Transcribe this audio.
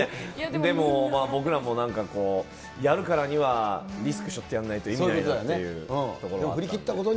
でも僕らもなんかやるからには、リスクしょってやらないと意味ないなというところもあったんで。